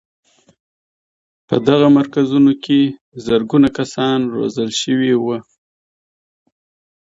په دغو مرکزونو کې زرګونه کسان روزل شوي وو.